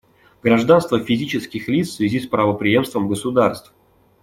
Гражданство физических лиц в связи с правопреемством государств.